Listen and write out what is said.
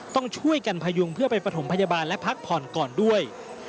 ต้องช่วยกันพยุงเพื่อไปประถมพยาบาลและพักผ่อนก่อนด้วย